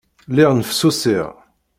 Lliɣ nnefsusiɣ.